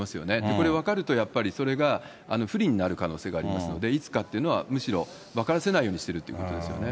これ、分かると、やっぱりそれが不利になる可能性がありますので、いつかというのは、むしろ分からせないようにしてるってことですよね。